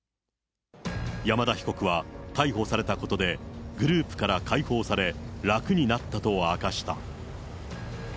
山田被告は逮捕されたことでグループから解放され、楽になったと明かした。